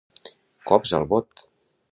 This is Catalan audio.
Cops al bot.